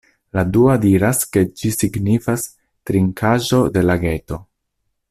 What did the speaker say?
La dua diras ke ĝi signifas "trinkaĵo de lageto".